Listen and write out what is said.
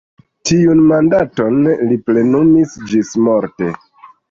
Tiun mandaton li plenumis ĝismorte.